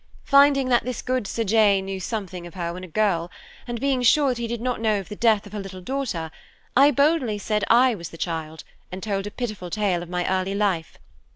Finding that this good Sir J. knew something of her when a girl, and being sure that he did not know of the death of her little daughter, I boldly said I was the child, and told a pitiful tale of my early life.